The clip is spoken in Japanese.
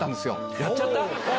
やっちゃった？